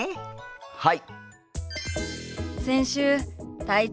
はい！